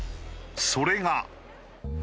それが。